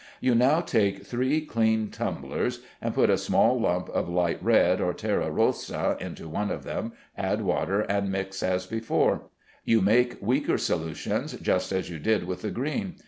You now take three clean tumblers and put a small lump of light red or terra rossa into one of them, add water, and mix as before; you make weaker solutions, just as you did with the green.